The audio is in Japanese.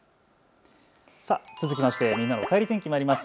続きましてみんなのおかえり天気、まいります。